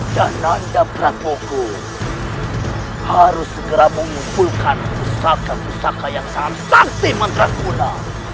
dan nanda prabuku harus segera mengumpulkan pusaka pusaka yang sangat sakti mengerak mula